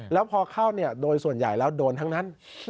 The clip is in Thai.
แล้วพอเข้าโดยส่วนใหญ่แล้วโดนทั้งนั้น